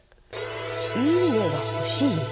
「いいねがほしい！？